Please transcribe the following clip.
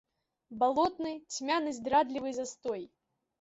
Балотны, цьмяны, здрадлівы застой!